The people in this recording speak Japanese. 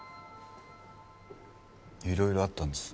いろいろあったんです。